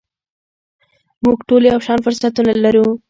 موږ ټول یو شان فرصتونه لرو .